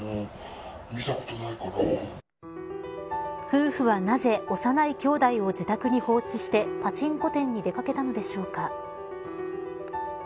夫婦はなぜ幼い兄弟を自宅に放置してパチンコ店に出掛けたのでしょうか。